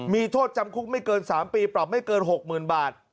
มีโทษจำคุกไม่เกิน๓ปีปรับไม่เกิน๖๐๐๐บาท